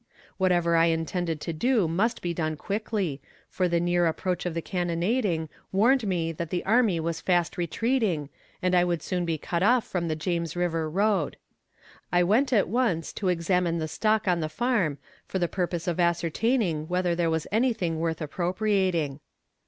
Whatever I intended to do must be done quickly, for the near approach of the cannonading warned me that the army was fast retreating and I would soon be cut off from the James river road. I went at once to examine the stock on the farm for the purpose of ascertaining whether there was anything worth appropriating.